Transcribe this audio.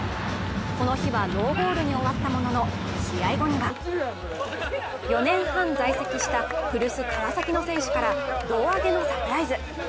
この日はノーゴールに終わったものの、試合後には４年半在籍した古巣・川崎の選手から胴上げのサプライズ。